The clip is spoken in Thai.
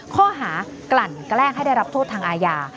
ข้อหากลั่นแกล้งให้ได้รับโทษทางอาญา